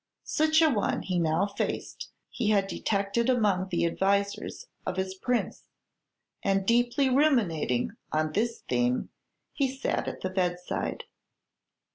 Such a one he now fancied he had detected among the advisers of his Prince; and deeply ruminating on this theme, he sat at the bedside.